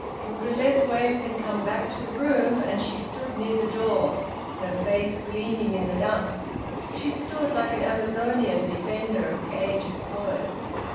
Hilda Lessways had come back to the room, and she stood near the door, her face gleaming in the dusk. She stood like an Amazonian defender of the aged poet.